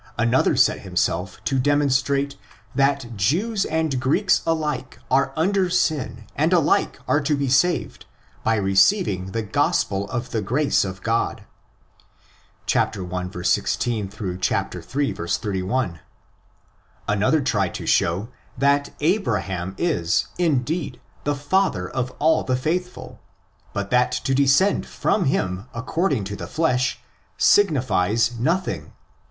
another set himself to demonstrate that Jews and Greeks alike are under sin and alike are to be saved by receiving the Gospel of the grace of God (i. 16—i1i. 81); another tried to show that Abraham is, indeed, the father of all the faithful, but that to descend from him according to the flesh signifies nothing (iv.)